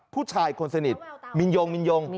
ผู้ชายคนสนิทมินยง